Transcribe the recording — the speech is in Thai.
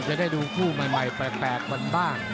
จะได้ดูคู่ใหม่แปลกกันบ้าง